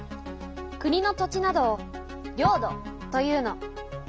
国の土地などを領土というの。